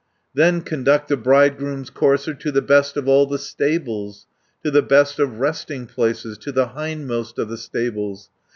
"Then conduct the bridegroom's courser To the best of all the stables, To the best of resting places, To the hindmost of the stables.